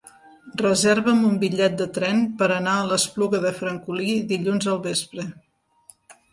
Reserva'm un bitllet de tren per anar a l'Espluga de Francolí dilluns al vespre.